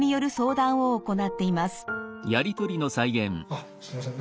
あっすいません